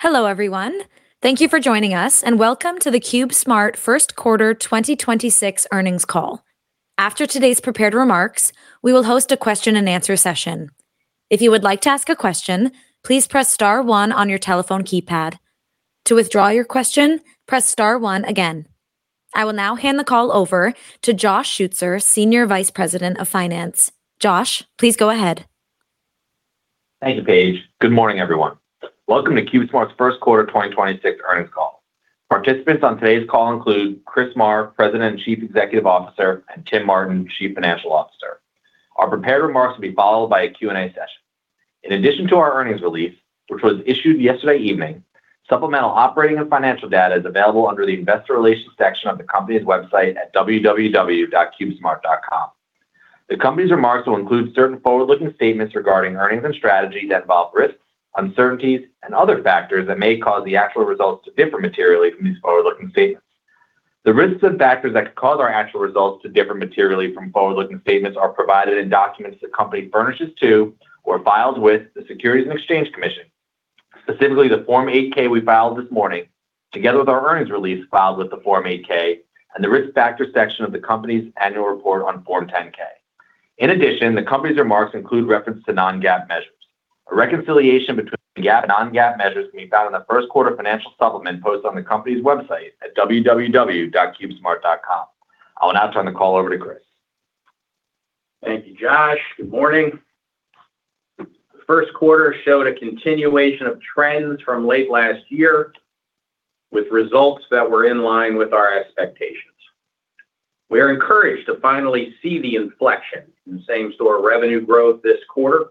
Hello everyone. Thank you for joining us, and welcome to the CubeSmart First Quarter 2026 Earnings Call. After today's prepared remarks, we will host a question and answer session. If you would like to ask a question please press star one on your telephone keypad, to withdraw your question press star one again. I will now hand the call over to Josh Schutzer, Senior Vice President of Finance. Josh, please go ahead. Thank you, Paige. Good morning, everyone. Welcome to CubeSmart's First Quarter 2026 Earnings Call. Participants on today's call include Chris Marr, President and Chief Executive Officer, and Tim Martin, Chief Financial Officer. Our prepared remarks will be followed by a Q&A session. In addition to our earnings release, which was issued yesterday evening, supplemental operating and financial data is available under the investor relations section of the company's website at www.cubesmart.com. The company's remarks will include certain forward-looking statements regarding earnings and strategy that involve risks, uncertainties, and other factors that may cause the actual results to differ materially from these forward-looking statements. The risks and factors that could cause our actual results to differ materially from forward-looking statements are provided in documents the company furnishes to or files with the Securities and Exchange Commission, specifically the Form 8-K we filed this morning, together with our earnings release filed with the Form 8-K, and the risk factors section of the company's annual report on Form 10-K. In addition, the company's remarks include reference to non-GAAP measures. A reconciliation between GAAP and non-GAAP measures can be found in the first quarter financial supplement posted on the company's website at www.cubesmart.com. I will now turn the call over to Chris. Thank you, Josh. Good morning. First quarter showed a continuation of trends from late last year with results that were in line with our expectations. We are encouraged to finally see the inflection in same-store revenue growth this quarter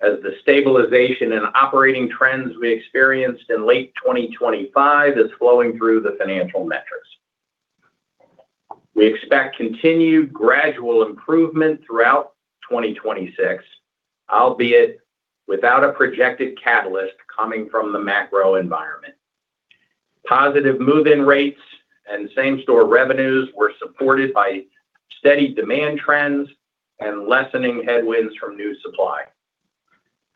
as the stabilization in operating trends we experienced in late 2025 is flowing through the financial metrics. We expect continued gradual improvement throughout 2026, albeit without a projected catalyst coming from the macro environment. Positive move-in rates and same-store revenues were supported by steady demand trends and lessening headwinds from new supply.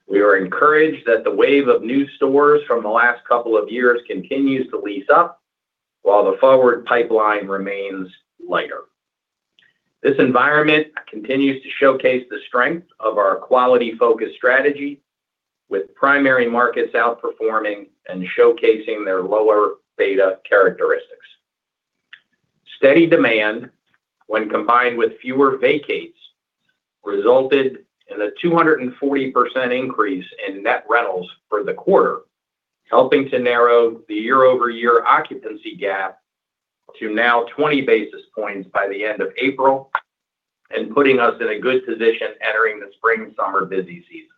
We are encouraged that the wave of new stores from the last couple of years continues to lease up while the forward pipeline remains lighter. This environment continues to showcase the strength of our quality-focused strategy with primary markets outperforming and showcasing their lower beta characteristics. Steady demand when combined with fewer vacates resulted in a 240% increase in net rentals for the quarter, helping to narrow the year-over-year occupancy gap to now 20 basis points by the end of April and putting us in a good position entering the spring-summer busy season.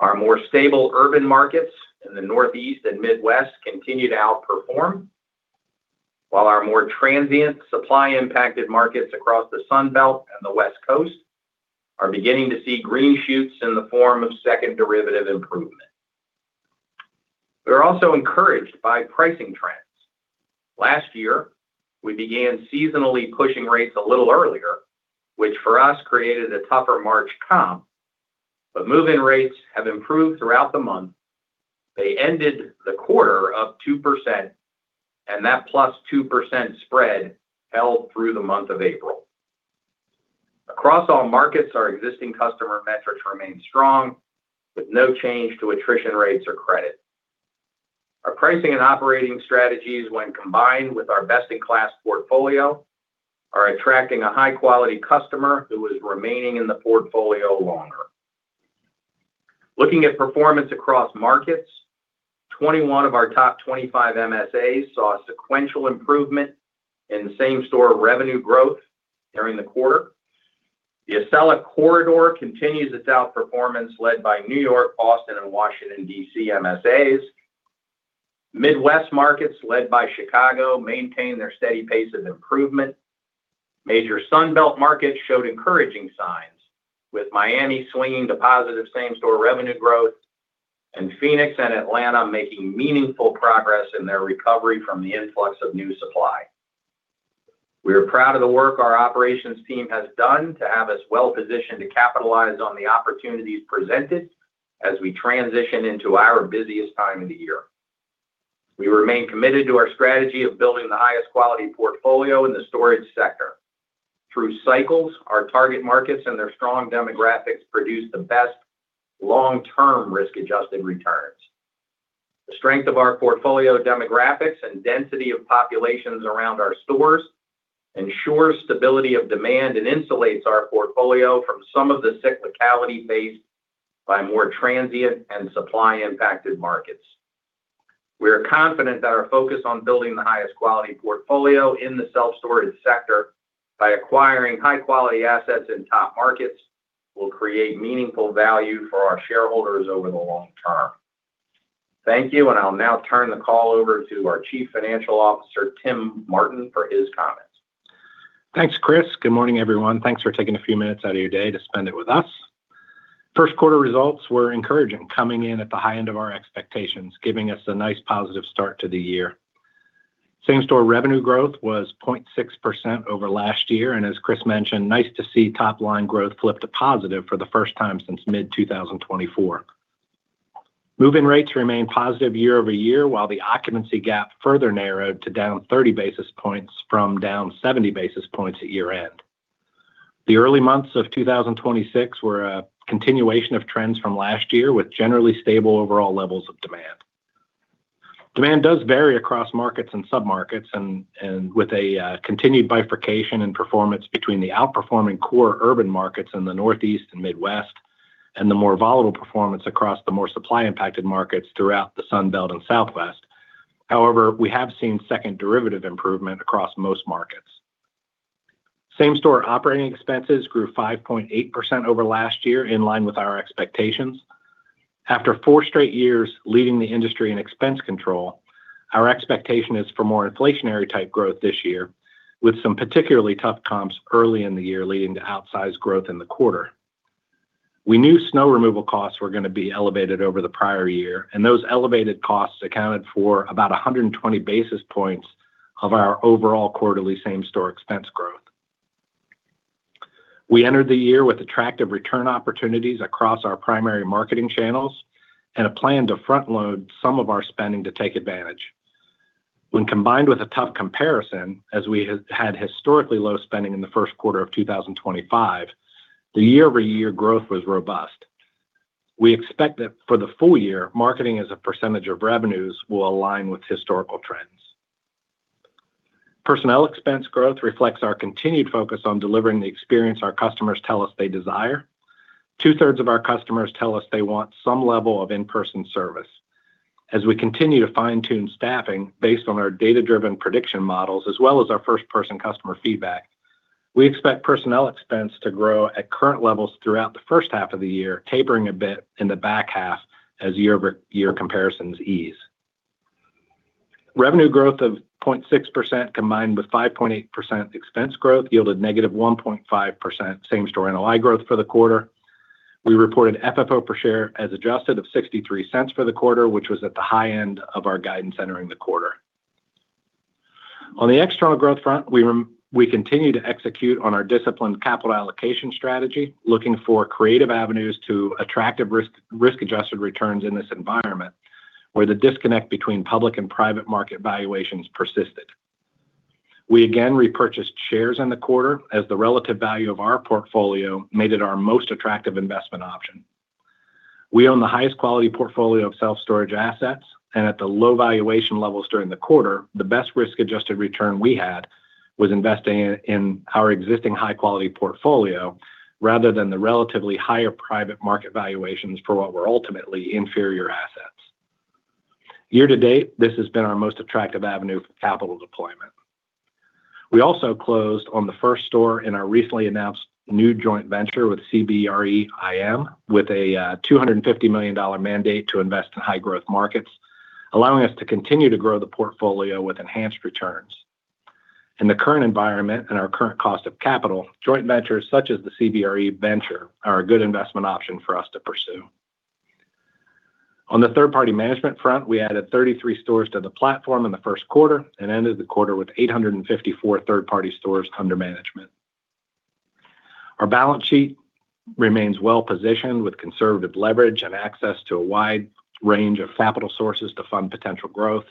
Our more stable urban markets in the Northeast and Midwest continue to outperform, while our more transient supply-impacted markets across the Sun Belt and the West Coast are beginning to see green shoots in the form of second derivative improvement. We are also encouraged by pricing trends. Last year, we began seasonally pushing rates a little earlier, which for us created a tougher March comp, but move-in rates have improved throughout the month. They ended the quarter up 2%, and that +2% spread held through the month of April. Across all markets, our existing customer metrics remain strong with no change to attrition rates or credit. Our pricing and operating strategies when combined with our best-in-class portfolio are attracting a high-quality customer who is remaining in the portfolio longer. Looking at performance across markets, 21 of our top 25 MSAs saw a sequential improvement in same-store revenue growth during the quarter. The Acela Corridor continues its outperformance led by New York, Boston, and Washington, D.C. MSAs. Midwest markets led by Chicago maintain their steady pace of improvement. Major Sun Belt markets showed encouraging signs with Miami swinging to positive same-store revenue growth and Phoenix and Atlanta making meaningful progress in their recovery from the influx of new supply. We are proud of the work our operations team has done to have us well-positioned to capitalize on the opportunities presented as we transition into our busiest time of the year. We remain committed to our strategy of building the highest quality portfolio in the storage sector. Through cycles, our target markets and their strong demographics produce the best long-term risk-adjusted returns. The strength of our portfolio demographics and density of populations around our stores ensures stability of demand and insulates our portfolio from some of the cyclicality faced by more transient and supply-impacted markets. We are confident that our focus on building the highest quality portfolio in the self-storage sector by acquiring high-quality assets in top markets will create meaningful value for our shareholders over the long term. Thank you, and I'll now turn the call over to our Chief Financial Officer, Tim Martin, for his comments. Thanks, Chris. Good morning, everyone. Thanks for taking a few minutes out of your day to spend it with us. First quarter results were encouraging, coming in at the high end of our expectations, giving us a nice positive start to the year. Same-store revenue growth was 0.6% over last year, and as Chris mentioned, nice to see top line growth flip to positive for the first time since mid-2024. Move-in rates remain positive year-over-year, while the occupancy gap further narrowed to down 30 basis points from down 70 basis points at year-end. The early months of 2026 were a continuation of trends from last year, with generally stable overall levels of demand. Demand does vary across markets and sub-markets, with a continued bifurcation in performance between the outperforming core urban markets in the Northeast and Midwest, and the more volatile performance across the more supply-impacted markets throughout the Sun Belt and Southwest. We have seen second derivative improvement across most markets. Same-store operating expenses grew 5.8% over last year, in line with our expectations. After four straight years leading the industry in expense control, our expectation is for more inflationary type growth this year, with some particularly tough comps early in the year leading to outsized growth in the quarter. We knew snow removal costs were gonna be elevated over the prior year. Those elevated costs accounted for about 120 basis points of our overall quarterly same-store expense growth. We entered the year with attractive return opportunities across our primary marketing channels and a plan to front-load some of our spending to take advantage. When combined with a tough comparison, as we had historically low spending in the first quarter of 2025, the year-over-year growth was robust. We expect that for the full year, marketing as a percentage of revenues will align with historical trends. Personnel expense growth reflects our continued focus on delivering the experience our customers tell us they desire. Two-thirds of our customers tell us they want some level of in-person service. As we continue to fine-tune staffing based on our data-driven prediction models as well as our first-person customer feedback, we expect personnel expense to grow at current levels throughout the first half of the year, tapering a bit in the back half as year-over-year comparisons ease. Revenue growth of 0.6%, combined with 5.8% expense growth, yielded -1.5% same-store NOI growth for the quarter. We reported FFO per share as adjusted of $0.63 for the quarter, which was at the high end of our guidance entering the quarter. On the external growth front, we continue to execute on our disciplined capital allocation strategy, looking for creative avenues to attractive risk-adjusted returns in this environment, where the disconnect between public and private market valuations persisted. We again repurchased shares in the quarter as the relative value of our portfolio made it our most attractive investment option. We own the highest quality portfolio of self-storage assets, and at the low valuation levels during the quarter, the best risk-adjusted return we had was investing in our existing high-quality portfolio rather than the relatively higher private market valuations for what were ultimately inferior assets. Year to date, this has been our most attractive avenue for capital deployment. We also closed on the first store in our recently announced new joint venture with CBRE IM, with a $250 million mandate to invest in high growth markets, allowing us to continue to grow the portfolio with enhanced returns. In the current environment and our current cost of capital, joint ventures such as the CBRE venture are a good investment option for us to pursue. On the third-party management front, we added 33 stores to the platform in the first quarter and ended the quarter with 854 third-party stores under management. Our balance sheet remains well positioned, with conservative leverage and access to a wide range of capital sources to fund potential growth.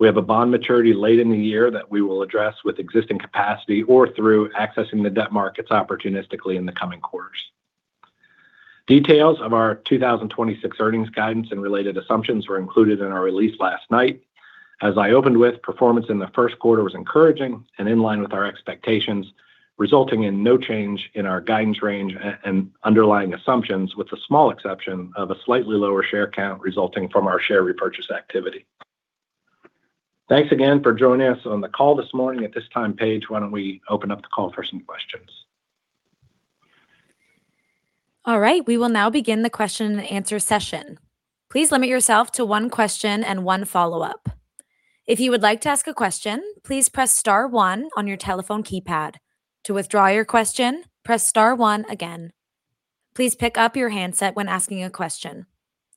We have a bond maturity late in the year that we will address with existing capacity or through accessing the debt markets opportunistically in the coming quarters. Details of our 2026 earnings guidance and related assumptions were included in our release last night. As I opened with, performance in the first quarter was encouraging and in line with our expectations, resulting in no change in our guidance range and underlying assumptions, with the small exception of a slightly lower share count resulting from our share repurchase activity. Thanks again for joining us on the call this morning. At this time, Paige, why don't we open up the call for some questions? All right. We will now begin the question and answer session. Please limit yourself to one question and one follow-up. If you would like to ask a question, please press star one on your telephone keypad. To withdraw your question, press star one again. Please pick up your handset when asking a question.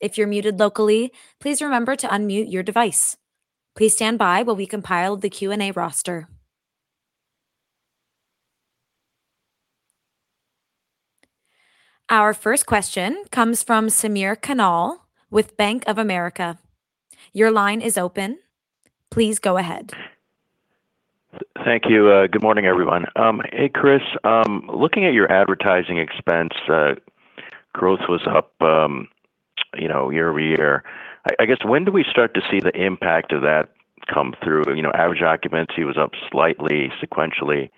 If you're muted locally, please remember to unmute your device. Please stand by while we compile the Q&A roster. Our first question comes from Samir Khanal with Bank of America. Your line is open. Please go ahead. Thank you. Good morning, everyone. Hey, Chris. Looking at your advertising expense, growth was up, you know, year-over-year. I guess, when do we start to see the impact of that come through? You know, average occupancy was up slightly sequentially.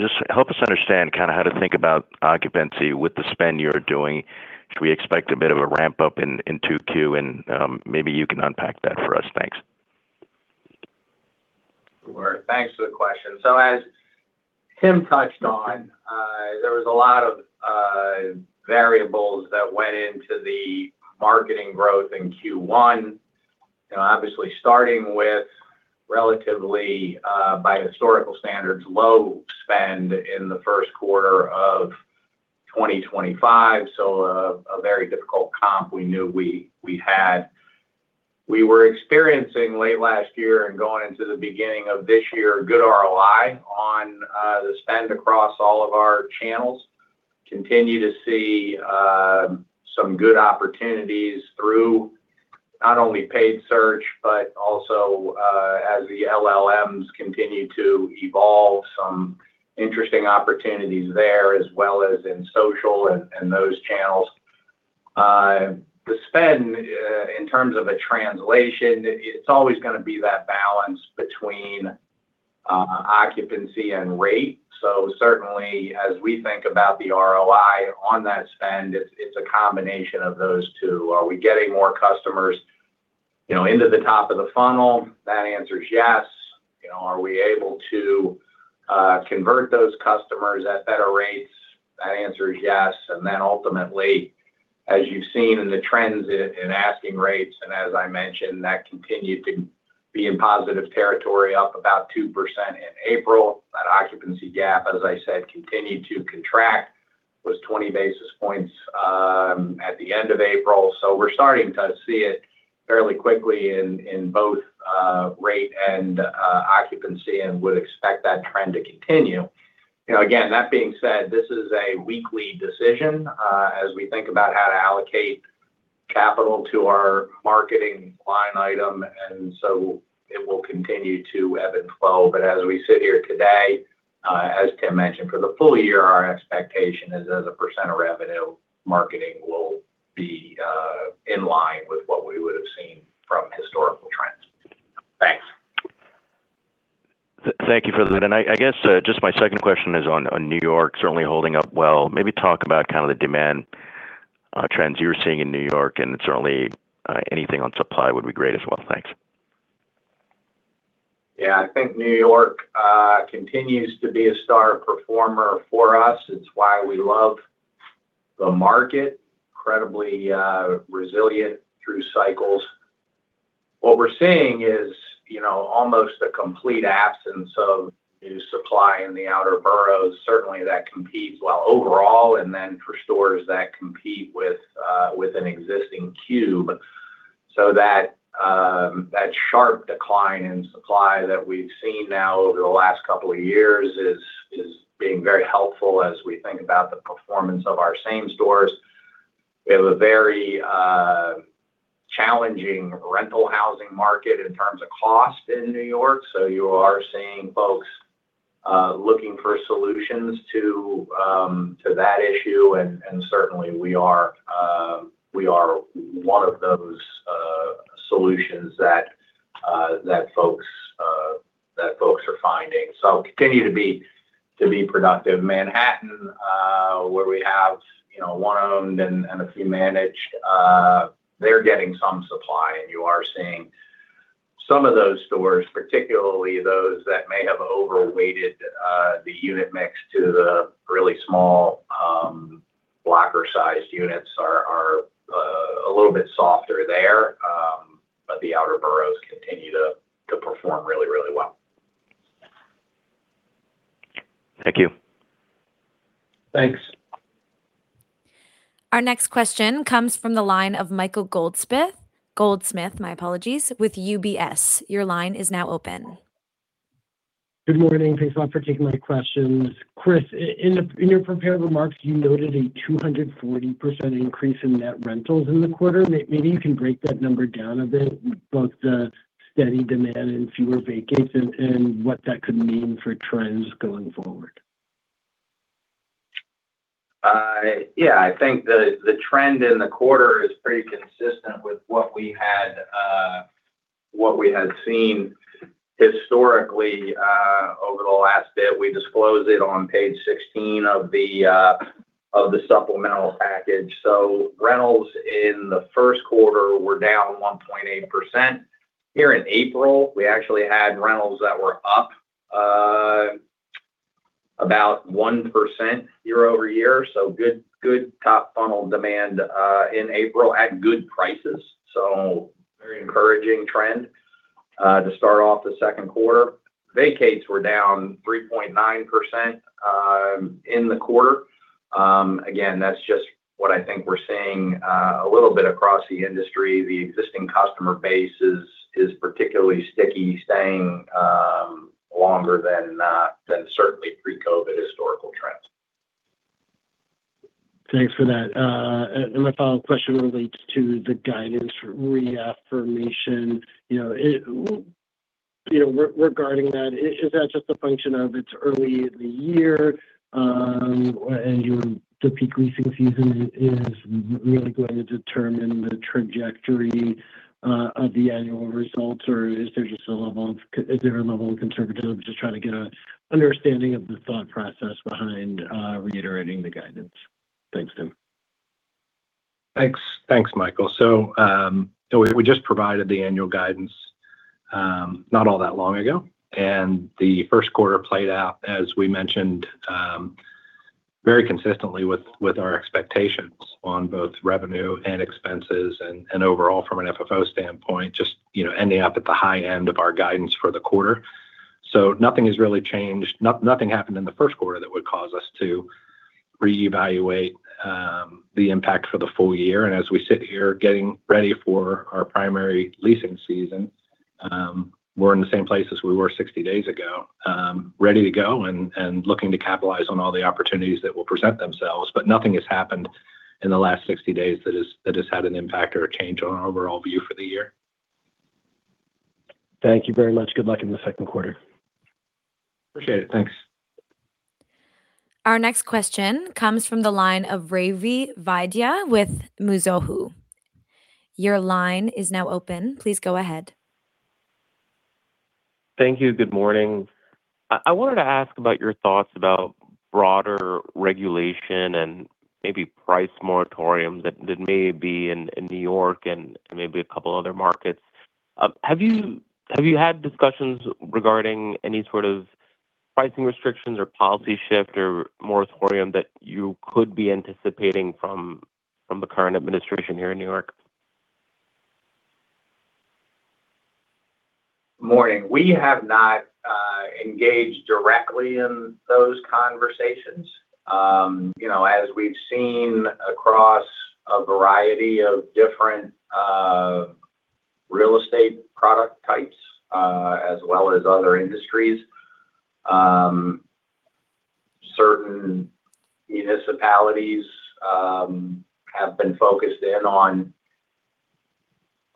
Just help us understand kind of how to think about occupancy with the spend you're doing. Should we expect a bit of a ramp-up in 2Q? Maybe you can unpack that for us. Thanks. Sure. Thanks for the question. As Tim touched on, there was a lot of variables that went into the marketing growth in Q1. You know, obviously starting with relatively, by historical standards, low spend in the first quarter of 2025, a very difficult comp we knew we had. We were experiencing late last year and going into the beginning of this year, good ROI on the spend across all of our channels. Continue to see some good opportunities through not only paid search, but also, as the LLMs continue to evolve, some interesting opportunities there, as well as in social and those channels. The spend, in terms of a translation, it's always gonna be that balance between occupancy and rate. Certainly, as we think about the ROI on that spend, it's a combination of those two. Are we getting more customers, you know, into the top of the funnel? That answer is yes. You know, are we able to convert those customers at better rates? That answer is yes. Ultimately, as you've seen in the trends in asking rates, and as I mentioned, that continued to be in positive territory, up about 2% in April. That occupancy gap, as I said, continued to contract, was 20 basis points at the end of April. We're starting to see it fairly quickly in both rate and occupancy, and would expect that trend to continue. You know, again, that being said, this is a weekly decision, as we think about how to allocate capital to our marketing line item, it will continue to ebb and flow. As we sit here today, as Tim mentioned, for the full year, our expectation is as a percent of revenue, marketing will be in line with what we would have seen from historical trends. Thanks. Thank you for that. I guess, just my second question is on New York certainly holding up well. Maybe talk about kind of the demand trends you're seeing in New York, and certainly, anything on supply would be great as well. Thanks. I think New York continues to be a star performer for us. It's why we love the market. Incredibly resilient through cycles. What we're seeing is, you know, almost a complete absence of new supply in the outer boroughs, certainly that competes well overall, and then for stores that compete with an existing Cube. That sharp decline in supply that we've seen now over the last couple of years is being very helpful as we think about the performance of our same stores. We have a very challenging rental housing market in terms of cost in New York, you are seeing folks looking for solutions to that issue. Certainly we are one of those solutions that folks are finding. Continue to be productive. Manhattan, where we have, you know, one owned and a few managed, they're getting some supply. You are seeing some of those stores, particularly those that may have overweighted the unit mix to the really small, blocker-sized units are a little bit softer there. The outer boroughs continue to perform really, really well. Thank you. Thanks. Our next question comes from the line of Michael Goldsmith. Goldsmith, my apologies, with UBS. Your line is now open. Good morning. Thanks a lot for taking my questions. Chris, in the, in your prepared remarks, you noted a 240% increase in net rentals in the quarter. Maybe you can break that number down a bit, both the steady demand and fewer vacates and what that could mean for trends going forward. Yeah. I think the trend in the quarter is pretty consistent with what we had seen historically over the last bit. We disclose it on page 16 of the supplemental package. Rentals in the first quarter were down 1.8%. Here in April, we actually had rentals that were up about 1% year over year, good top funnel demand in April at good prices. Very encouraging trend to start off the second quarter. Vacates were down 3.9% in the quarter. Again, that's just what I think we're seeing a little bit across the industry. The existing customer base is particularly sticky, staying longer than certainly pre-COVID historical trends. Thanks for that. My final question relates to the guidance reaffirmation. You know, you know, regarding that, is that just a function of it's early in the year, and the peak leasing season is really going to determine the trajectory of the annual results, or is there just a level of conservatism? Just trying to get a understanding of the thought process behind reiterating the guidance. Thanks, Tim. Thanks. Thanks, Michael. We just provided the annual guidance not all that long ago, the first quarter played out, as we mentioned, very consistently with our expectations on both revenue and expenses and overall from an FFO standpoint, just, you know, ending up at the high end of our guidance for the quarter. Nothing has really changed. Nothing happened in the first quarter that would cause us to reevaluate the impact for the full year. As we sit here getting ready for our primary leasing season, we're in the same place as we were 60 days ago, ready to go and looking to capitalize on all the opportunities that will present themselves. Nothing has happened in the last 60 days that has had an impact or a change on our overall view for the year. Thank you very much. Good luck in the second quarter. Appreciate it. Thanks. Our next question comes from the line of Ravi Vaidya with Mizuho. Your line is now open. Please go ahead. Thank you. Good morning. I wanted to ask about your thoughts about broader regulation and maybe price moratorium that may be in New York and maybe a couple other markets. Have you had discussions regarding any sort of pricing restrictions or policy shift or moratorium that you could be anticipating from the current administration here in New York? Morning. We have not engaged directly in those conversations. You know, as we've seen across a variety of different real estate product types, as well as other industries, certain municipalities have been focused in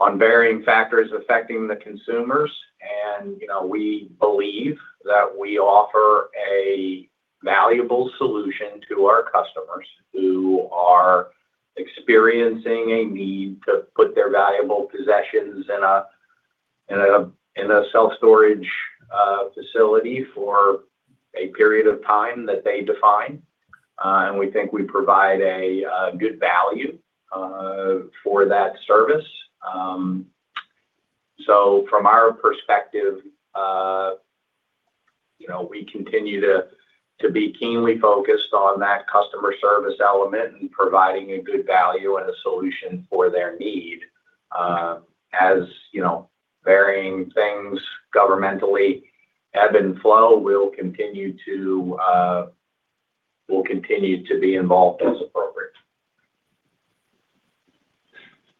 on varying factors affecting the consumers. You know, we believe that we offer a valuable solution to our customers who are experiencing a need to put their valuable possessions in a self-storage facility for a period of time that they define. We think we provide a good value for that service. From our perspective, you know, we continue to be keenly focused on that customer service element and providing a good value and a solution for their need. As you know, varying things governmentally ebb and flow, we'll continue to be involved as appropriate.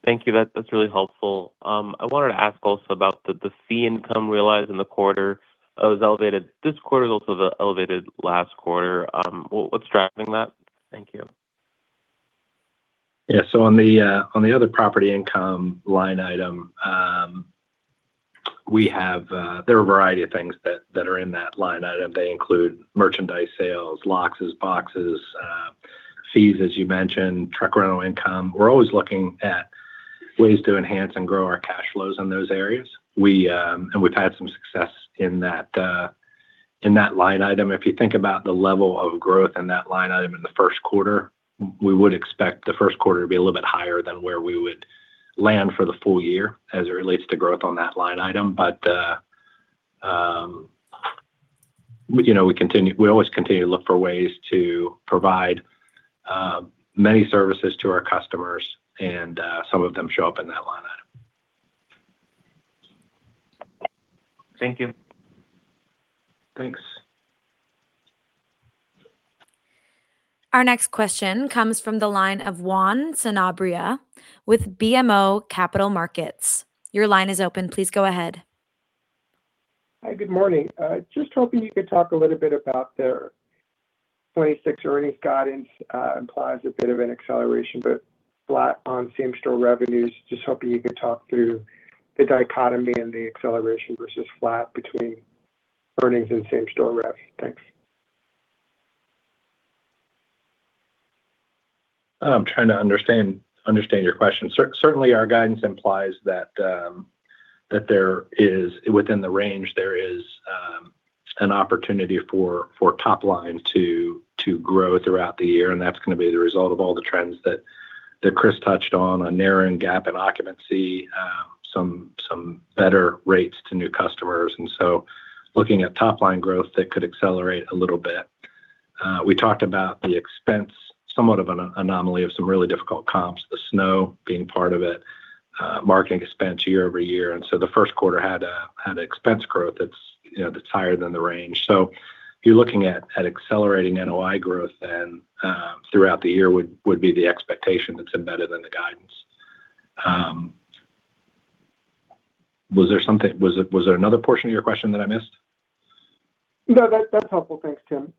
Thank you. That's really helpful. I wanted to ask also about the fee income realized in the quarter. It was elevated this quarter, also the elevated last quarter. What's driving that? Thank you. Yeah. On the other property income line item, there are a variety of things that are in that line item. They include merchandise sales, locks, boxes, fees, as you mentioned, truck rental income. We're always looking at ways to enhance and grow our cash flows in those areas. And we've had some success in that in that line item. If you think about the level of growth in that line item in the first quarter, we would expect the first quarter to be a little bit higher than where we would land for the full year as it relates to growth on that line item. You know, we always continue to look for ways to provide many services to our customers, and some of them show up in that line item. Thank you. Thanks. Our next question comes from the line of Juan Sanabria with BMO Capital Markets. Your line is open. Please go ahead. Hi. Good morning. Just hoping you could talk a little bit about the 26 earnings guidance, implies a bit of an acceleration, but flat on same-store revenues. Just hoping you could talk through the dichotomy and the acceleration versus flat between earnings and same-store rev. Thanks. I'm trying to understand your question. Certainly, our guidance implies that there is, within the range, there is an opportunity for top line to grow throughout the year, and that's gonna be the result of all the trends that Chris touched on, a narrowing gap in occupancy, some better rates to new customers. Looking at top-line growth, that could accelerate a little bit. We talked about the expense, somewhat of an anomaly of some really difficult comps, the snow being part of it, marketing expense year-over-year. The first quarter had an expense growth that's, you know, that's higher than the range. If you're looking at accelerating NOI growth then, throughout the year would be the expectation that's embedded in the guidance. Was there another portion of your question that I missed? No, that's helpful. Thanks, Tim.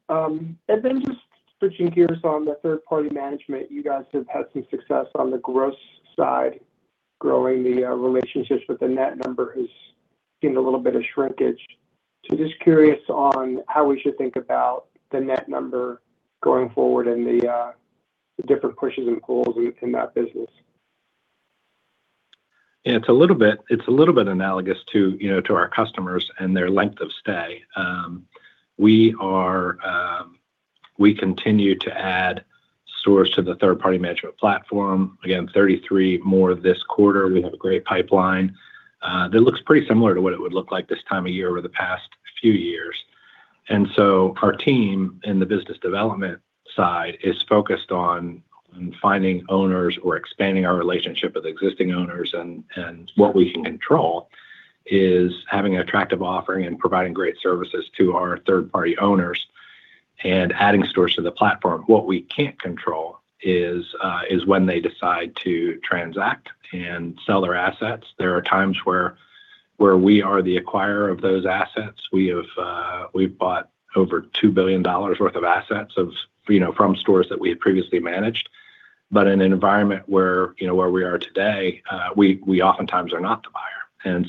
Just switching gears on the third-party management. You guys have had some success on the gross side, growing the relationships, but the net number has seen a little bit of shrinkage. Just curious on how we should think about the net number going forward and the different pushes and pulls in that business. Yeah. It's a little bit analogous to, you know, to our customers and their length of stay. We continue to add stores to the third-party management platform. Again, 33 more this quarter. We have a great pipeline that looks pretty similar to what it would look like this time of year over the past few years. Our team in the business development side is focused on finding owners or expanding our relationship with existing owners. What we can control is having an attractive offering and providing great services to our third-party owners and adding stores to the platform. What we can't control is when they decide to transact and sell their assets. There are times where we are the acquirer of those assets. We have, we've bought over $2 billion worth of assets of, you know, from stores that we had previously managed. In an environment where, you know, where we are today, we oftentimes are not the buyer.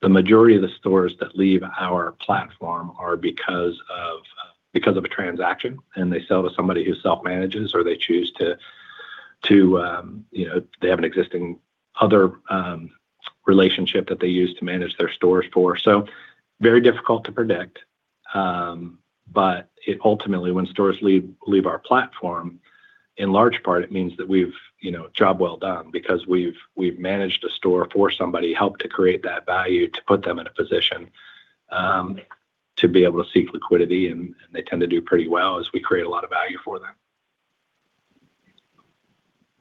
The majority of the stores that leave our platform are because of a transaction, and they sell to somebody who self-manages or they choose to, you know, they have an existing other relationship that they use to manage their stores for. Very difficult to predict. It ultimately, when stores leave our platform, in large part it means that we've, you know, job well done because we've managed a store for somebody, helped to create that value to put them in a position to be able to seek liquidity, and they tend to do pretty well as we create a lot of value for them.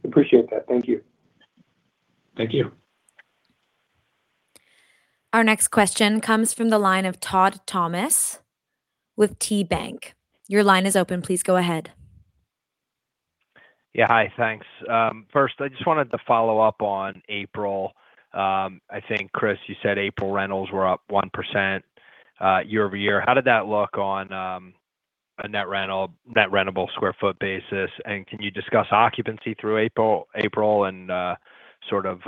Appreciate that. Thank you. Thank you. Our next question comes from the line of Todd Thomas with KeyBanc. Your line is open. Please go ahead. Yeah. Hi. Thanks. First I just wanted to follow up on April. I think, Chris, you said April rentals were up 1% year-over-year. How did that look on a net rental, net rentable square foot basis? Can you discuss occupancy through April and sort of,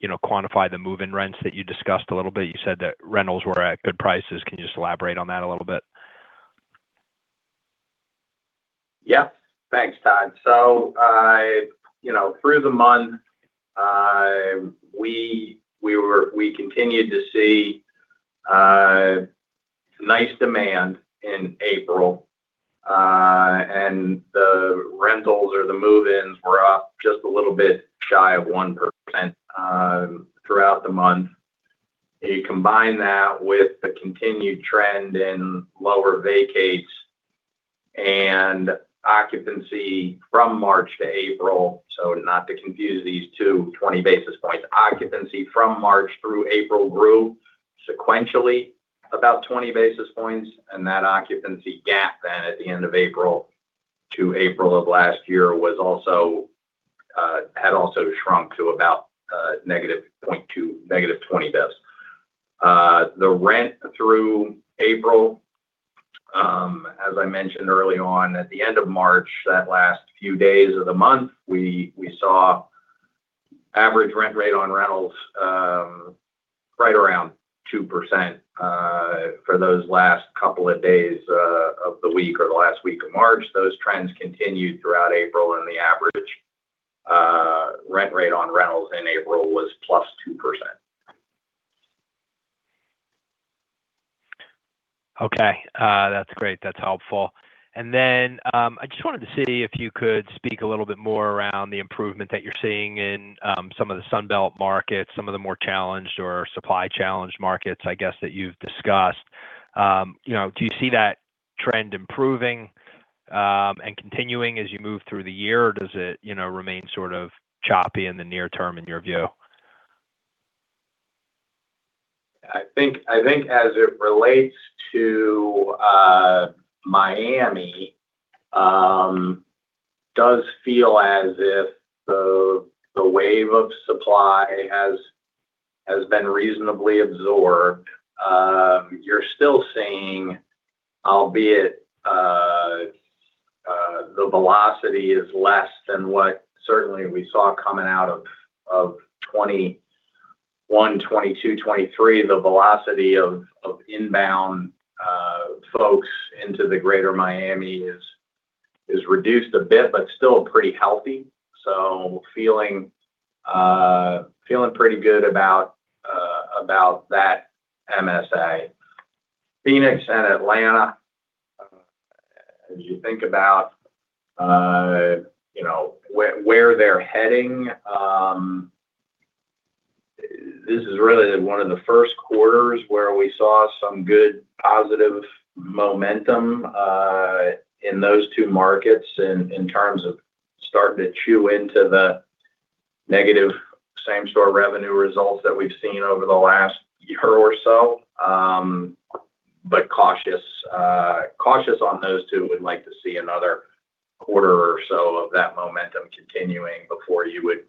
you know, quantify the move-in rents that you discussed a little bit? You said that rentals were at good prices. Can you just elaborate on that a little bit? Yeah. Thanks, Todd. I, you know, through the month, we continued to see nice demand in April. The rentals or the move-ins were up just a little bit shy of 1% throughout the month. You combine that with the continued trend in lower vacates and occupancy from March to April, not to confuse these two, 20 basis points. Occupancy from March through April grew sequentially about 20 basis points, that occupancy gap at the end of April to April of last year was also had also shrunk to about -0.2 basis points, -20 basis points. The rent through April, as I mentioned early on, at the end of March, that last few days of the month, we saw average rent rate on rentals right around 2% for those last couple of days of the week or the last week of March. Those trends continued throughout April, and the average rent rate on rentals in April was +2%. Okay. That's great. That's helpful. I just wanted to see if you could speak a little bit more around the improvement that you're seeing in some of the Sun Belt markets, some of the more challenged or supply challenged markets, I guess, that you've discussed. You know, do you see that trend improving and continuing as you move through the year, or does it, you know, remain sort of choppy in the near term in your view? I think as it relates to Miami, does feel as if the wave of supply has been reasonably absorbed. You're still seeing, albeit, the velocity is less than what certainly we saw coming out of 2021, 2022, 2023. The velocity of inbound folks into the Greater Miami is reduced a bit, but still pretty healthy. Feeling pretty good about that MSA. Phoenix and Atlanta, as you think about where they're heading, this is really one of the first quarters where we saw some good positive momentum in those two markets in terms of starting to chew into the negative same-store revenue results that we've seen over the last year or so. Cautious on those two. Would like to see another quarter or so of that momentum continuing before you would,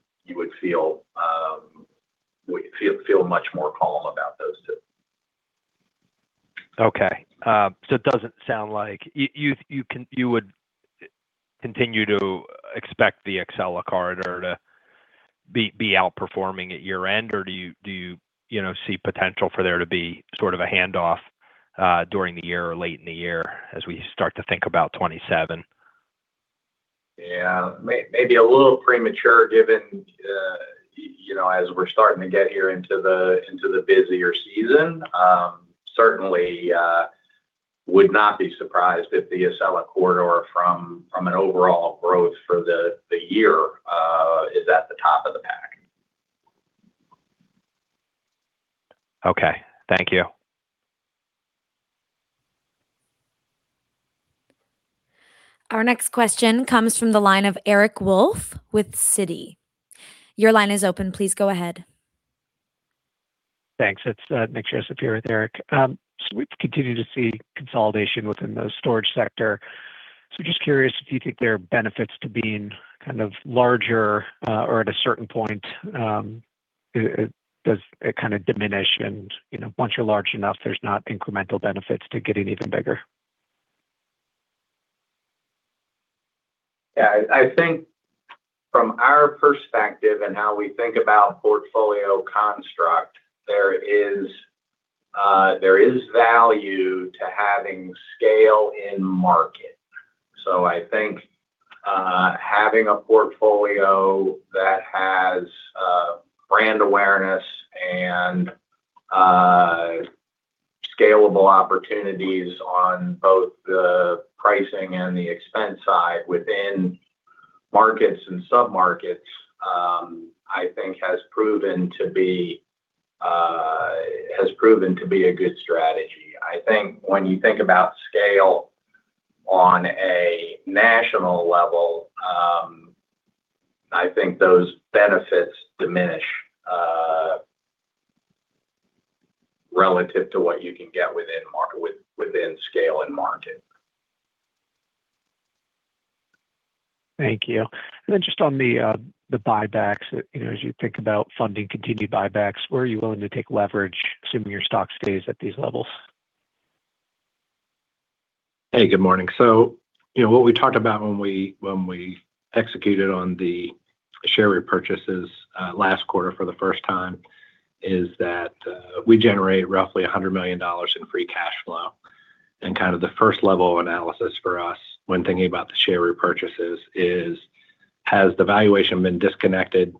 you would feel much more calm about those two. Okay. It doesn't sound like you would continue to expect the Acela corridor to be outperforming at year-end. Do you know, see potential for there to be sort of a handoff during the year or late in the year as we start to think about 2027? Yeah. Maybe a little premature given, you know, as we're starting to get here into the busier season. Certainly, would not be surprised if the Acela corridor from an overall growth for the year, is at the top of the pack. Okay. Thank you. Our next question comes from the line of Eric Wolfe with Citi. Your line is open. Please go ahead. Thanks. It's Scott, make sure it's appear with Eric. We continue to see consolidation within the storage sector. Just curious if you think there are benefits to being kind of larger, or at a certain point, it does it kind of diminish and, you know, once you're large enough, there's not incremental benefits to getting even bigger? Yeah. I think from our perspective and how we think about portfolio construct, there is value to having scale in market. I think, having a portfolio that has brand awareness and scalable opportunities on both the pricing and the expense side within markets and sub-markets, I think has proven to be a good strategy. I think when you think about scale on a national level, I think those benefits diminish relative to what you can get within scale and market. Thank you. Just on the buybacks, you know, as you think about funding continued buybacks, where are you willing to take leverage assuming your stock stays at these levels? Hey, good morning. You know, what we talked about when we, when we executed on the share repurchases, last quarter for the first time is that, we generate roughly $100 million in free cash flow. Kind of the first level of analysis for us when thinking about the share repurchases is, has the valuation been disconnected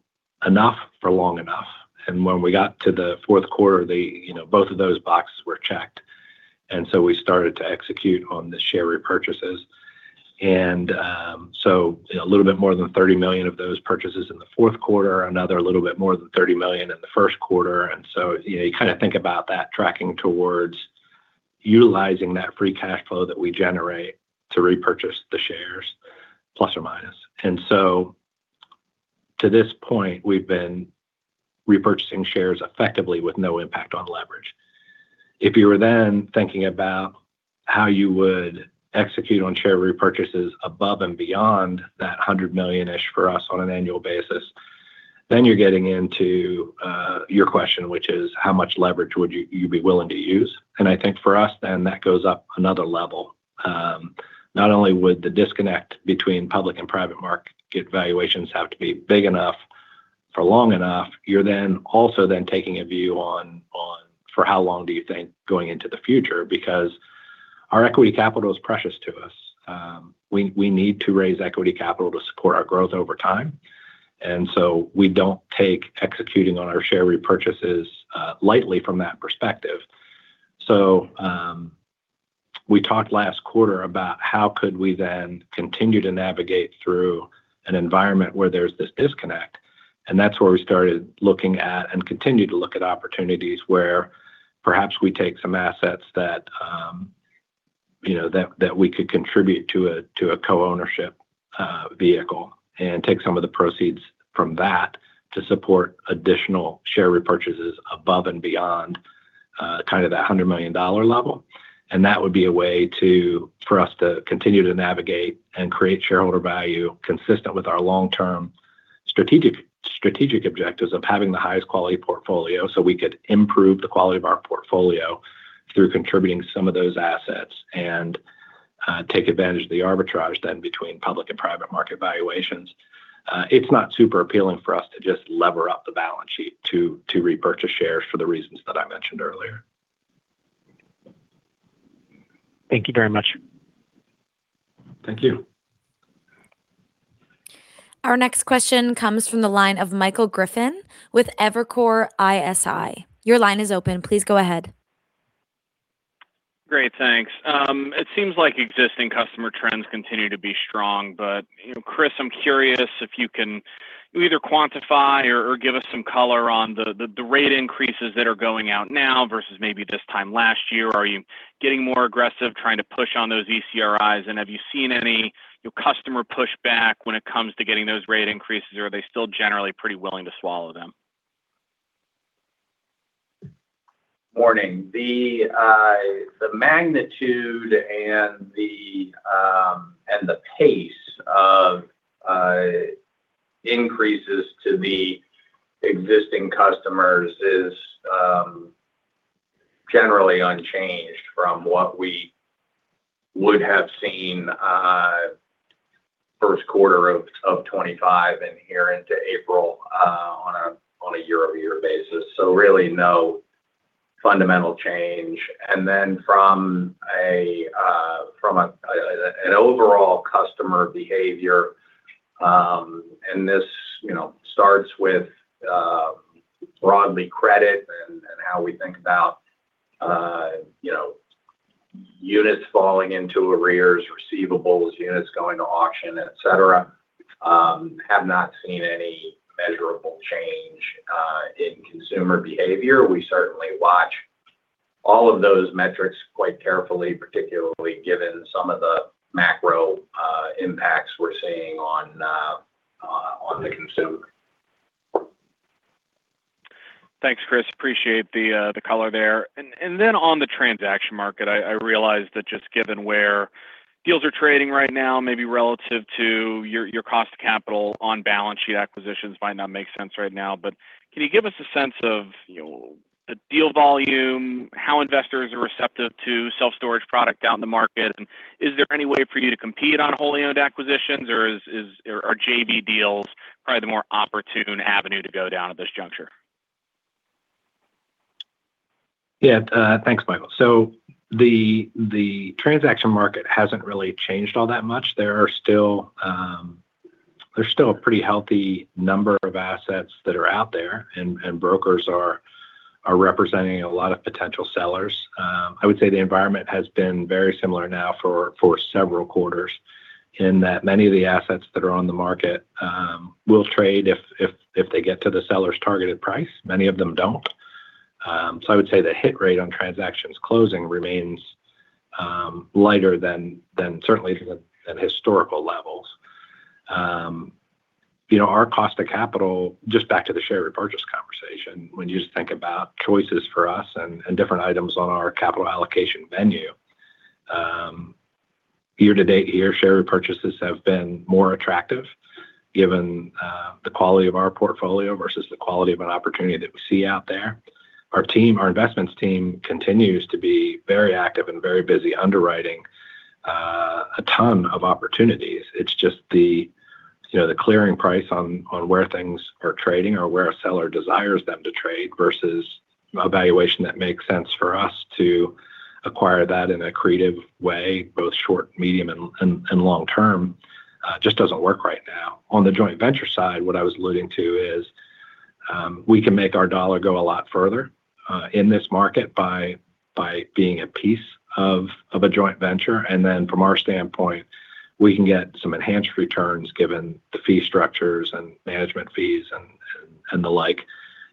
enough for long enough? When we got to the fourth quarter, they, you know, both of those boxes were checked, and so we started to execute on the share repurchases. A little bit more than $30 million of those purchases in the fourth quarter, another little bit more than $30 million in the first quarter. You know, you kind of think about that tracking towards utilizing that free cash flow that we generate to repurchase the shares, plus or minus. To this point, we've been repurchasing shares effectively with no impact on leverage. If you were thinking about how you would execute on share repurchases above and beyond that $100 million-ish for us on an annual basis, then you're getting into your question, which is how much leverage would you be willing to use. I think for us then that goes up another level. Not only would the disconnect between public and private market valuations have to be big enough for long enough, you're then also then taking a view on for how long do you think going into the future, because our equity capital is precious to us. We need to raise equity capital to support our growth over time. We don't take executing on our share repurchases lightly from that perspective. We talked last quarter about how could we then continue to navigate through an environment where there's this disconnect. That's where we started looking at and continue to look at opportunities where perhaps we take some assets that we could contribute to a co-ownership vehicle and take some of the proceeds from that to support additional share repurchases above and beyond kind of that $100 million level. That would be a way for us to continue to navigate and create shareholder value consistent with our long-term strategic objectives of having the highest quality portfolio so we could improve the quality of our portfolio through contributing some of those assets and take advantage of the arbitrage then between public and private market valuations. It's not super appealing for us to just lever up the balance sheet to repurchase shares for the reasons that I mentioned earlier. Thank you very much. Thank you. Our next question comes from the line of Michael Griffin with Evercore ISI. Your line is open. Please go ahead. Great, thanks. It seems like existing customer trends continue to be strong, you know, Chris, I'm curious if you can either quantify or give us some color on the rate increases that are going out now versus maybe this time last year. Are you getting more aggressive trying to push on those ECRIs? Have you seen any, you know, customer pushback when it comes to getting those rate increases, or are they still generally pretty willing to swallow them? Morning. The magnitude and the pace of increases to the existing customers is generally unchanged from what we would have seen first quarter of 25 and here into April on a year-over-year basis. Really no fundamental change. From an overall customer behavior, and this, you know, starts with broadly credit and how we think about, you know, units falling into arrears, receivables, units going to auction, et cetera, have not seen any measurable change in consumer behavior. We certainly watch all of those metrics quite carefully, particularly given some of the macro impacts we're seeing on the consumer. Thanks, Chris. Appreciate the color there. On the transaction market, I realize that just given where deals are trading right now, maybe relative to your cost of capital on balance sheet acquisitions might not make sense right now. Can you give us a sense of, you know, the deal volume, how investors are receptive to self-storage product out in the market? Is there any way for you to compete on wholly owned acquisitions, or are JV deals probably the more opportune avenue to go down at this juncture? Yeah. Thanks, Michael. The transaction market hasn't really changed all that much. There are still, there's still a pretty healthy number of assets that are out there, and brokers are representing a lot of potential sellers. I would say the environment has been very similar now for several quarters in that many of the assets that are on the market will trade if they get to the seller's targeted price. Many of them don't. I would say the hit rate on transactions closing remains lighter than certainly historical levels. You know, our cost of capital, just back to the share repurchase conversation, when you think about choices for us and different items on our capital allocation venue, year to date, year share repurchases have been more attractive given the quality of our portfolio versus the quality of an opportunity that we see out there. Our team, our investments team continues to be very active and very busy underwriting a ton of opportunities. It's just the, you know, the clearing price on where things are trading or where a seller desires them to trade versus a valuation that makes sense for us to acquire that in a creative way, both short, medium, and long-term, just doesn't work right now. On the joint venture side, what I was alluding to is, we can make our dollar go a lot further in this market by being a piece of a joint venture. Then from our standpoint, we can get some enhanced returns given the fee structures and management fees and the like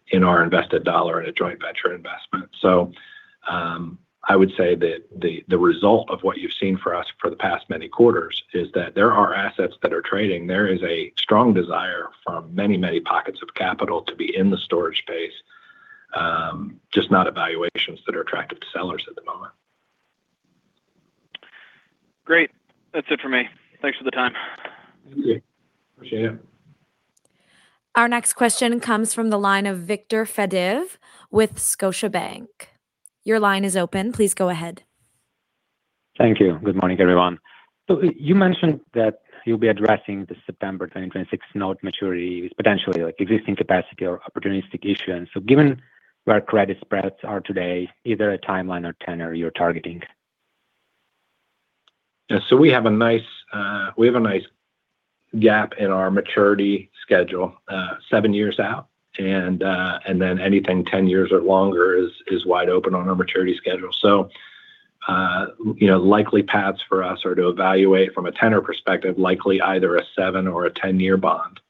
in our invested dollar in a joint venture investment. I would say that the result of what you've seen for us for the past many quarters is that there are assets that are trading. There is a strong desire from many pockets of capital to be in the storage space, just not evaluations that are attractive to sellers at the moment. Great. That's it for me. Thanks for the time. Thank you. Appreciate it. Our next question comes from the line of Viktor Fediv with Scotiabank. Your line is open. Please go ahead. Thank you. Good morning, everyone. You mentioned that you'll be addressing the September 2026 note maturity with potentially, like, existing capacity or opportunistic issuance. Given where credit spreads are today, is there a timeline or tenor you're targeting? Yeah, we have a nice, we have a nice gap in our maturity schedule, seven years out. Anything 10 years or longer is wide open on our maturity schedule. You know, likely paths for us are to evaluate from a tenor perspective, likely either a seven or a 10-year bond.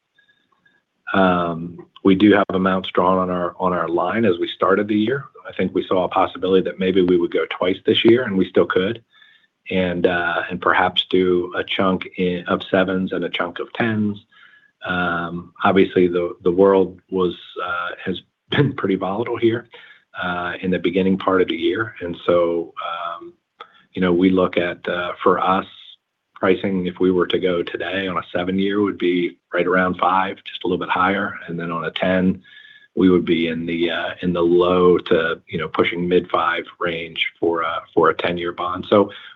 We do have amounts drawn on our line as we started the year. I think we saw a possibility that maybe we would go twice this year, and we still could, and perhaps do a chunk in, of sevens and a chunk of 10s. Obviously the world has been pretty volatile here in the beginning part of the year. You know, we look at, for us pricing, if we were to go today on a seven-year, would be right around 5%, just a little bit higher. Then on a 10, we would be in the low to, you know, pushing mid-5% range for a 10-year bond.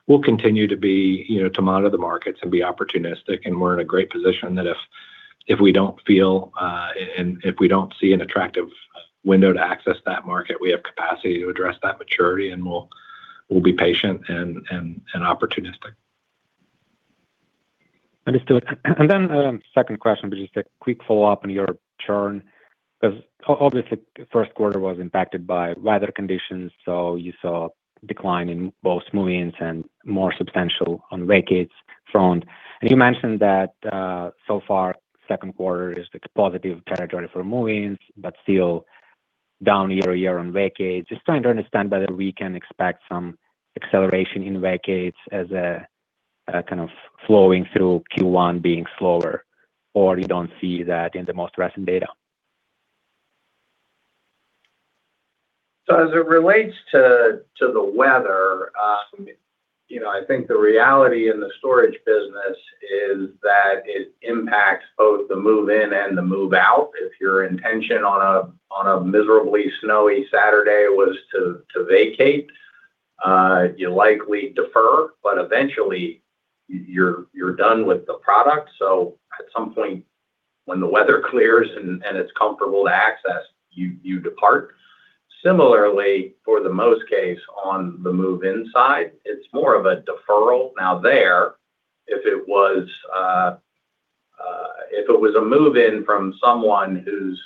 We'll continue to be, you know, to monitor the markets and be opportunistic. We're in a great position that if we don't feel, and if we don't see an attractive window to access that market, we have capacity to address that maturity, and we'll be patient and opportunistic. Understood. Second question, just a quick follow-up on your churn, 'cause obviously first quarter was impacted by weather conditions, so you saw decline in both move-ins and more substantial on vacates front. You mentioned that so far second quarter is positive territory for move-ins, but still down year-over-year on vacates. Just trying to understand whether we can expect some acceleration in vacates as a kind of flowing through Q1 being slower, or you don't see that in the most recent data? As it relates to the weather, you know, I think the reality in the storage business is that it impacts both the move in and the move out. If your intention on a miserably snowy Saturday was to vacate, you likely defer, but eventually you're done with the product. At some point when the weather clears and it's comfortable to access, you depart. Similarly, for the most case on the move-in side, it's more of a deferral. Now there, if it was a move-in from someone who's,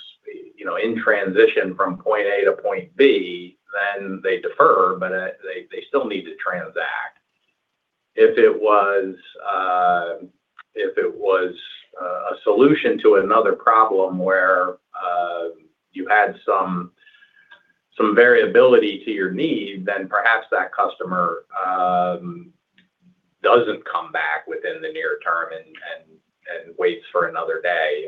you know, in transition from point A to point B, then they defer, but they still need to transact. If it was, if it was a solution to another problem where you had some variability to your need, then perhaps that customer doesn't come back within the near term and, and waits for another day.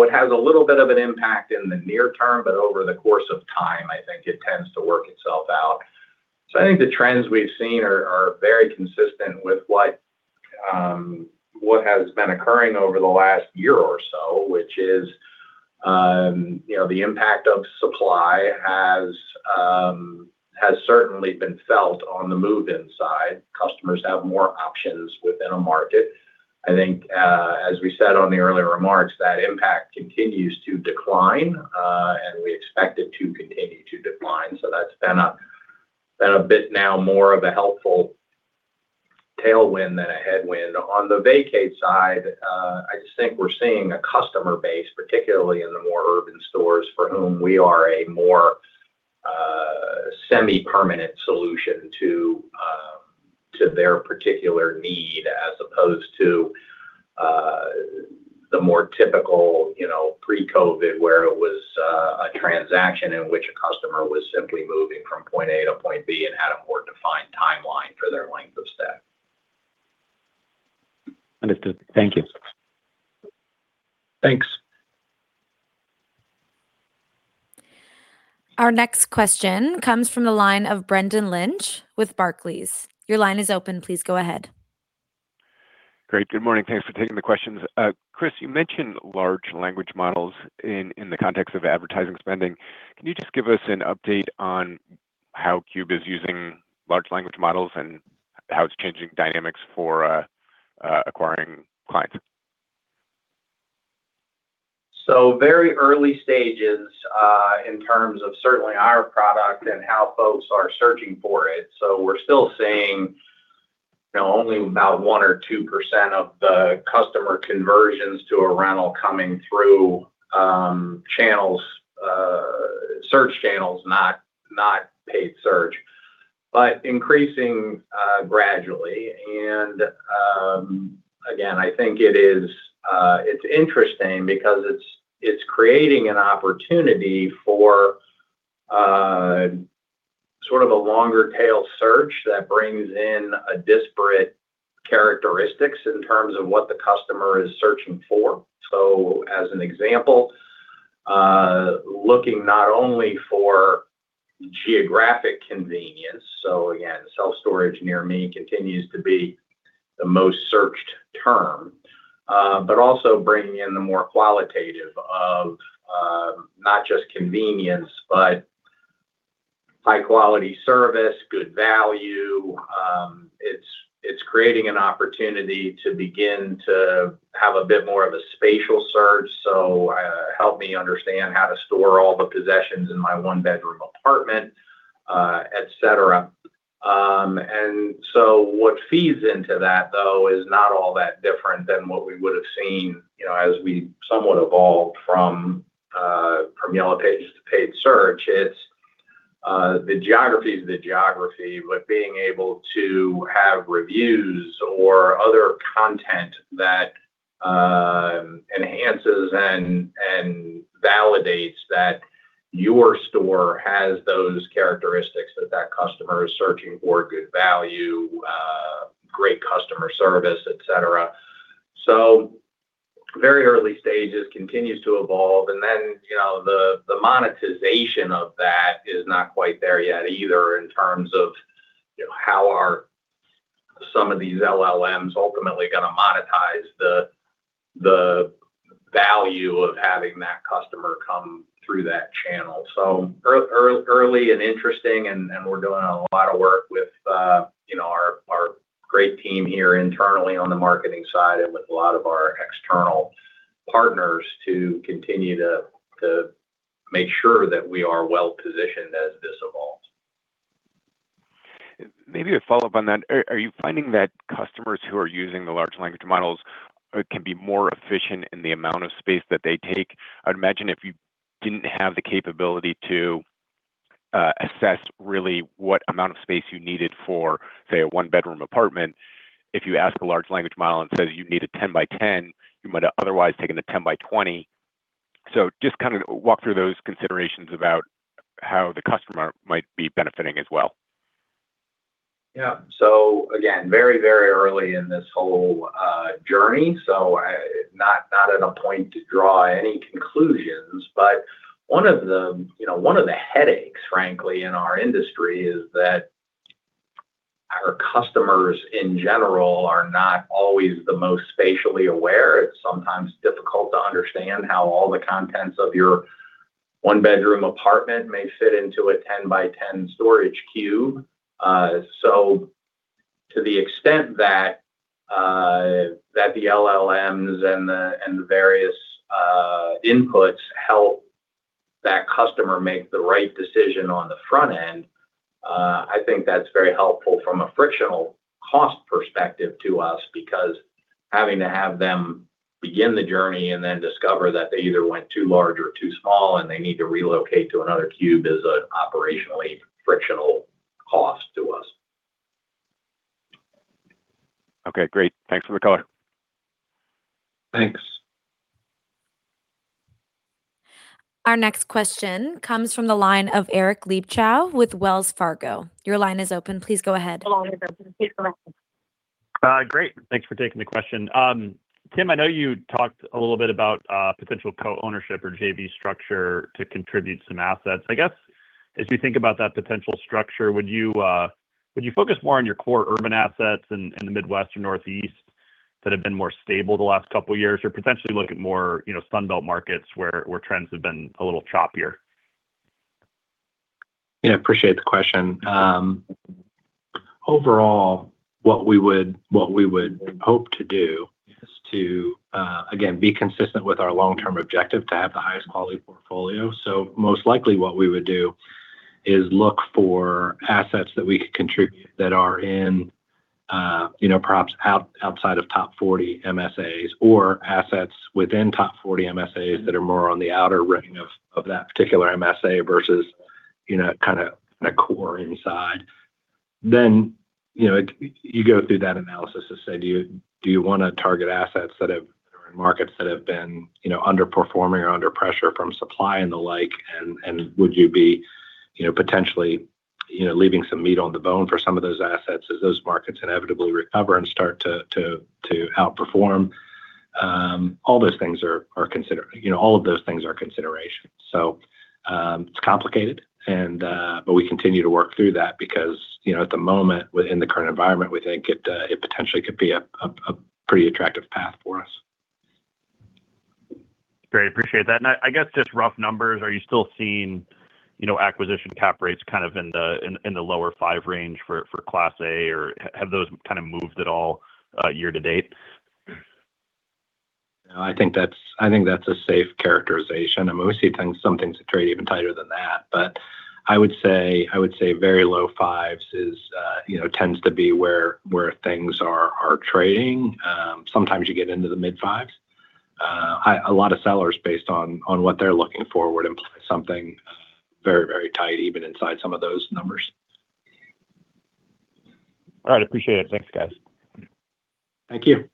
It has a little bit of an impact in the near term, but over the course of time, I think it tends to work itself out. I think the trends we've seen are very consistent with what has been occurring over the last year or so, which is, you know, the impact of supply has certainly been felt on the move-in side. Customers have more options within a market. I think, as we said on the earlier remarks, that impact continues to decline, and we expect it to continue to decline. That's been a bit now more of a helpful tailwind than a headwind. On the vacate side, I just think we're seeing a customer base, particularly in the more urban stores, for whom we are a more semi-permanent solution to their particular need as opposed to the more typical, you know, pre-COVID, where it was a transaction in which a customer was simply moving from point A to point B and had a more defined timeline for their length of stay. Understood. Thank you. Thanks. Our next question comes from the line of Brendan Lynch with Barclays. Your line is open. Please go ahead. Great. Good morning. Thanks for taking the questions. Chris, you mentioned large language models in the context of advertising spending. Can you just give us an update on how Cube is using large language models and how it's changing dynamics for acquiring clients? Very early stages in terms of certainly our product and how folks are searching for it. We're still seeing only about 1% or 2% of the customer conversions to a rental coming through channels, search channels, not paid search, but increasing gradually. Again, I think it is it's interesting because it's creating an opportunity for sort of a longer tail search that brings in a disparate characteristics in terms of what the customer is searching for. As an example, looking not only for geographic convenience, again, self-storage near me continues to be the most searched term, but also bringing in the more qualitative of not just convenience, but high quality service, good value. It's creating an opportunity to begin to have a bit more of a spatial search. Help me understand how to store all the possessions in my one-bedroom apartment, et cetera. What feeds into that, though, is not all that different than what we would have seen, you know, as we somewhat evolved from Yellow Pages to paid search. It's, the geography is the geography, but being able to have reviews or other content that enhances and validates that your store has those characteristics that that customer is searching for, good value, great customer service, et cetera. Very early stages, continues to evolve. You know, the monetization of that is not quite there yet either in terms of, you know, how are some of these LLMs ultimately gonna monetize the value of having that customer come through that channel. Early and interesting, and we're doing a lot of work with, you know, our great team here internally on the marketing side and with a lot of our external partners to continue to make sure that we are well-positioned as this evolves. Maybe a follow-up on that. Are you finding that customers who are using the large language models can be more efficient in the amount of space that they take? I'd imagine if you didn't have the capability to assess really what amount of space you needed for, say, a one-bedroom apartment. If you ask a large language model and it says you need a 10 by 10, you might have otherwise taken a 10 by 20. Just kind of walk through those considerations about how the customer might be benefiting as well. Yeah. Again, very, very early in this whole journey, not at a point to draw any conclusions. One of the, you know, one of the headaches, frankly, in our industry is that our customers in general are not always the most spatially aware. It's sometimes difficult to understand how all the contents of your one-bedroom apartment may fit into a 10 by 10 storage cube. To the extent that the LLMs and the various-Inputs help that customer make the right decision on the front end. I think that's very helpful from a frictional cost perspective to us because having to have them begin the journey and then discover that they either went too large or too small and they need to relocate to another cube is a operationally frictional cost to us. Okay, great. Thanks for the color. Thanks. Our next question comes from the line of Eric Luebchow with Wells Fargo. Your line is open. Please go ahead. Great. Thanks for taking the question. Tim, I know you talked a little bit about potential co-ownership or JV structure to contribute some assets. I guess as you think about that potential structure, would you focus more on your core urban assets in the Midwest or Northeast that have been more stable the last couple years, or potentially look at more, you know, Sun Belt markets where trends have been a little choppier? Yeah. Appreciate the question. Overall what we would hope to do is to again, be consistent with our long-term objective to have the highest quality portfolio. Most likely what we would do is look for assets that we could contribute that are in, you know, perhaps outside of top 40 MSAs or assets within top 40 MSAs that are more on the outer ring of that particular MSA versus, you know, kind of the core inside. You know, you go through that analysis to say, do you wanna target assets that have- -or in markets that have been, you know, underperforming or under pressure from supply and the like, Would you be, you know, potentially, you know, leaving some meat on the bone for some of those assets as those markets inevitably recover and start to outperform? You know, all of those things are considerations. It's complicated and. We continue to work through that because, you know, at the moment within the current environment, we think it potentially could be a pretty attractive path for us. Great. Appreciate that. I guess just rough numbers, are you still seeing, you know, acquisition cap rates kind of in the lower 5% range for Class A, or have those kind of moved at all year to date? No, I think that's a safe characterization, and we're seeing things, some things trade even tighter than that. I would say very low fives, you know, tends to be where things are trading. Sometimes you get into the mid fives. A lot of sellers based on what they're looking for would imply something very tight even inside some of those numbers. All right. Appreciate it. Thanks, guys. Thank you.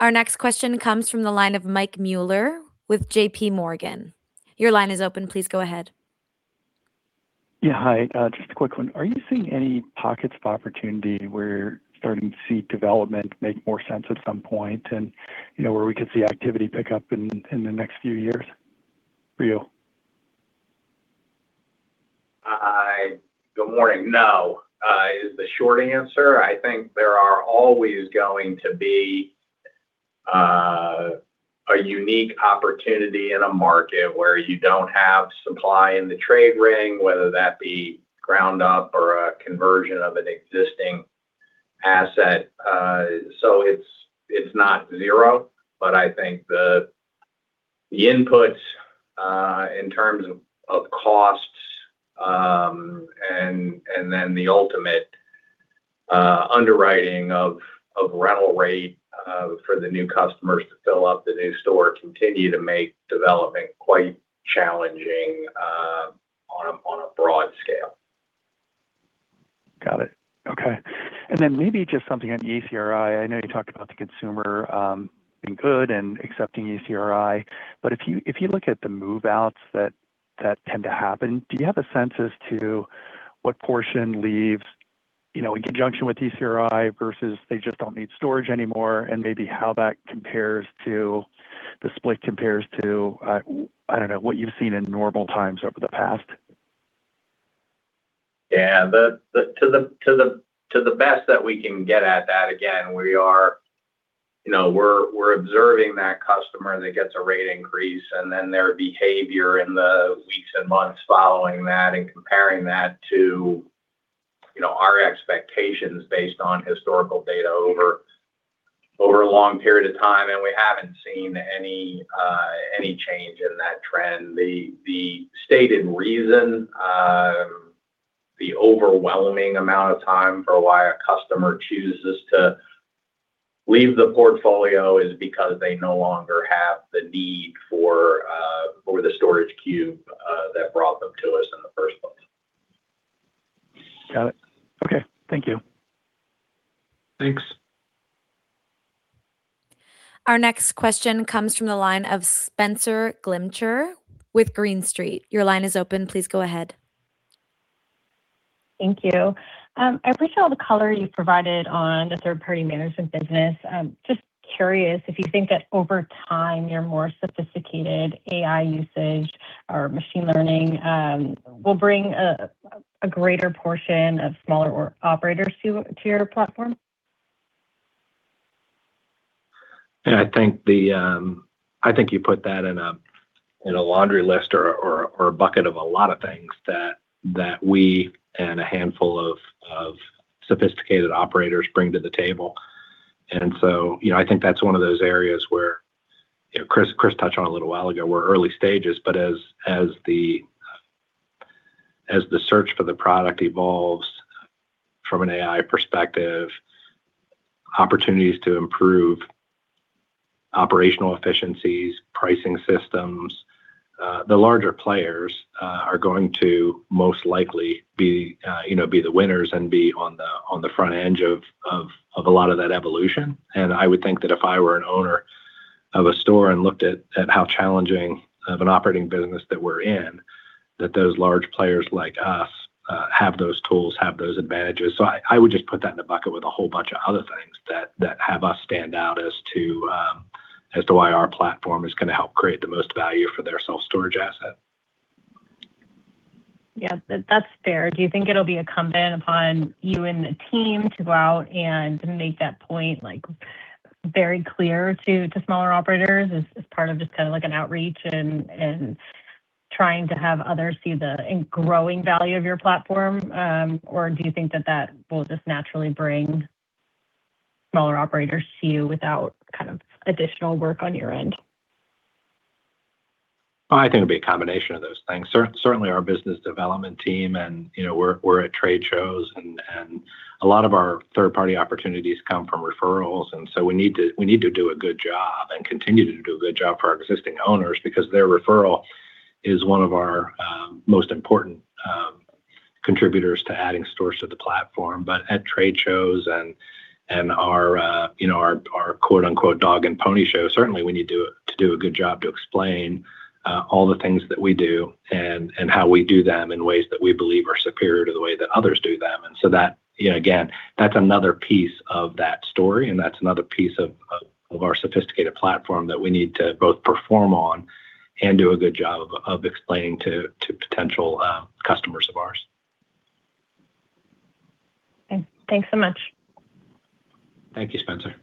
Our next question comes from the line of Mike Mueller with JPMorgan. Your line is open. Please go ahead. Yeah. Hi, just a quick one. Are you seeing any pockets of opportunity where starting to see development make more sense at some point and, you know, where we could see activity pick up in the next few years for you? Good morning. No, is the short answer. I think there are always going to be a unique opportunity in a market where you don't have supply in the trade ring, whether that be ground up or a conversion of an existing asset. So it's not zero, but I think the inputs in terms of costs, and then the ultimate underwriting of rental rate for the new customers to fill up the new store continue to make development quite challenging on a broad scale. Got it. Okay. Maybe just something on ECRI. I know you talked about the consumer being good and accepting ECRI. If you look at the move-outs that tend to happen, do you have a sense as to what portion leaves, you know, in conjunction with ECRI versus they just don't need storage anymore and maybe the split compares to, I don't know, what you've seen in normal times over the past? Yeah. The to the best that we can get at that, again, we are. You know, we're observing that customer that gets a rate increase and then their behavior in the weeks and months following that and comparing that to, you know, our expectations based on historical data over a long period of time, and we haven't seen any change in that trend. The stated reason, the overwhelming amount of time for why a customer chooses to leave the portfolio is because they no longer have the need for the storage cube that brought them to us in the first place. Got it. Okay. Thank you. Thanks. Our next question comes from the line of Spenser Glimcher with Green Street. Your line is open. Please go ahead. Thank you. I appreciate all the color you provided on the third-party management business. Just curious if you think that over time your more sophisticated AI usage or machine learning will bring a greater portion of smaller or operators to your platform? Yeah, I think you put that in a laundry list or a bucket of a lot of things that we and a handful of sophisticated operators bring to the table. I think that's one of those areas where, you know, Chris touched on a little while ago, we're early stages, but as the search for the product evolves from an AI perspective, opportunities to improve operational efficiencies, pricing systems, the larger players are going to most likely be, you know, be the winners and be on the front edge of a lot of that evolution. I would think that if I were an owner of a store and looked at how challenging of an operating business that we're in, that those large players like us have those tools, have those advantages. I would just put that in a bucket with a whole bunch of other things that have us stand out as to why our platform is gonna help create the most value for their self-storage asset. Yeah, that's fair. Do you think it'll be incumbent upon you and the team to go out and make that point, like, very clear to smaller operators as part of just kind of like an outreach and trying to have others see the in-growing value of your platform? Do you think that will just naturally bring smaller operators to you without kind of additional work on your end? I think it'll be a combination of those things. Certainly our business development team and, you know, we're at trade shows and a lot of our third-party opportunities come from referrals, and so we need to do a good job and continue to do a good job for our existing owners because their referral is one of our most important contributors to adding stores to the platform. At trade shows and our, you know, our quote-unquote dog and pony show, certainly we need to do a good job to explain all the things that we do and how we do them in ways that we believe are superior to the way that others do them. That, you know, again, that's another piece of that story, and that's another piece of our sophisticated platform that we need to both perform on and do a good job of explaining to potential customers of ours. Okay. Thanks so much. Thank you, Spenser.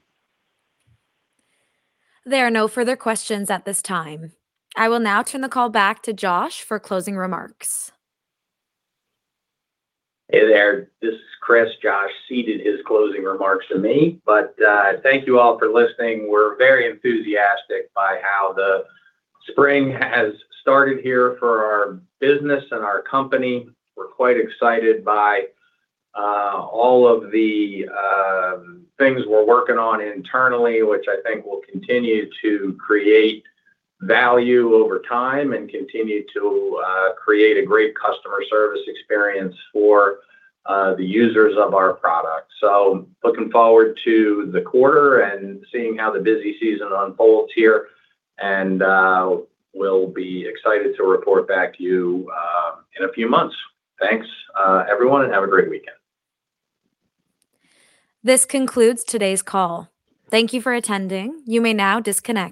There are no further questions at this time. I will now turn the call back to Josh for closing remarks. Hey there, this is Chris. Josh ceded his closing remarks to me. Thank you all for listening. We're very enthusiastic by how the spring has started here for our business and our company. We're quite excited by all of the things we're working on internally, which I think will continue to create value over time and continue to create a great customer service experience for the users of our product. Looking forward to the quarter and seeing how the busy season unfolds here. We'll be excited to report back to you in a few months. Thanks everyone. Have a great weekend. This concludes today's call. Thank you for attending. You may now disconnect.